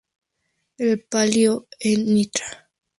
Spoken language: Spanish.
El palio de Ntra.